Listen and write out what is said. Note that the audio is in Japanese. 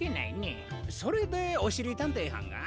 それでおしりたんていはんが？